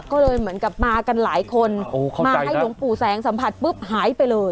ก็เลยเหมือนกับมากันหลายคนมาให้หลวงปู่แสงสัมผัสปุ๊บหายไปเลย